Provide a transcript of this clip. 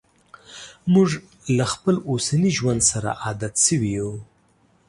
موږ له خپل اوسني ژوند سره عادت شوي یو.